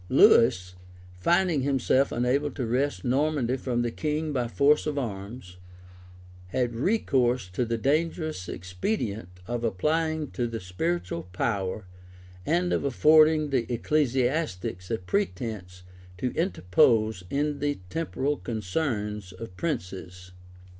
Lewis, finding himself unable to wrest Normandy from the king by force of arms, had recourse to the dangerous expedient of applying to the spiritual power, and of affording the ecclesiastics a pretence to interpose in the temporal concerns of princes.